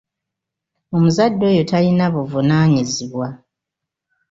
Omuzadde oyo talina buvunaanyizibwa.